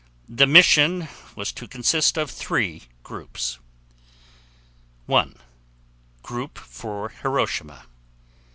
The mission was to consist of three groups: 1. Group for Hiroshima.